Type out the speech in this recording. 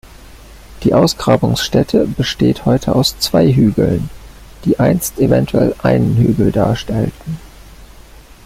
Die Ausgrabungsstätte besteht heute aus zwei Hügeln, die einst eventuell einen Hügel darstellten.